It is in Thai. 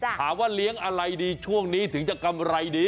ถามว่าเลี้ยงอะไรดีช่วงนี้ถึงจะกำไรดี